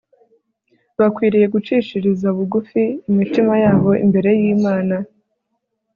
bakwiriye gucishiriza bugufi imitima yabo imbere yImana